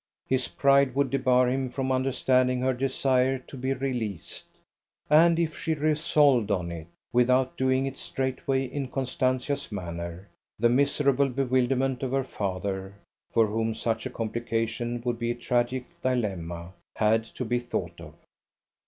His pride would debar him from understanding her desire to be released. And if she resolved on it, without doing it straightway in Constantia's manner, the miserable bewilderment of her father, for whom such a complication would be a tragic dilemma, had to be thought of.